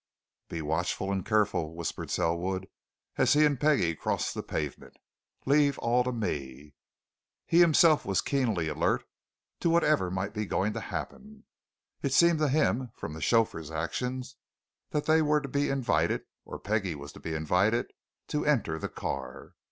"Be watchful and careful," whispered Selwood, as he and Peggie crossed the pavement. "Leave all to me!" He himself was keenly alert to whatever might be going to happen. It seemed to him, from the chauffeur's action, that they were to be invited, or Peggie was to be invited, to enter the car.